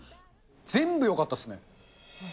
全部よかったっすね。